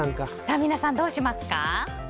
皆さん、どうしますか？